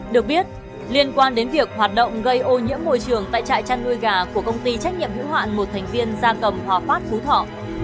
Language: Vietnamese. được biết liên quan đến việc hoạt động gây ô nhiễm môi trường tại trại chăn nuôi gà của công ty trách nhiệm hữu hạn một thành viên gia cầm hòa phát phú thọ